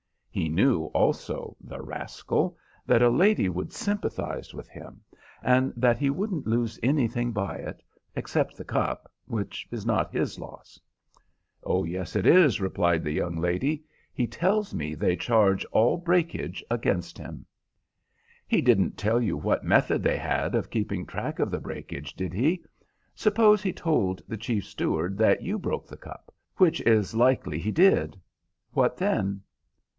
He knew, also, the rascal, that a lady would sympathise with him, and that he wouldn't lose anything by it, except the cup, which is not his loss." "Oh yes, it is," replied the young lady, "he tells me they charge all breakages against him." "He didn't tell you what method they had of keeping track of the breakages, did he? Suppose he told the chief steward that you broke the cup, which is likely he did. What then?"